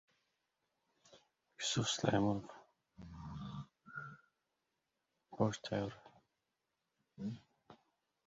nimalardan ko‘nglingiz to‘lib, nimalardan ko‘nglingiz to‘lmayotganligini his qilasiz?